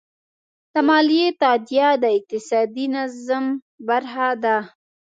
د مالیې تادیه د اقتصادي نظم برخه ده.